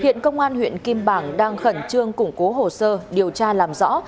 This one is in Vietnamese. hiện công an huyện kim bảng đang khẩn trương củng cố hồ sơ điều tra làm rõ